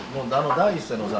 第一声のさ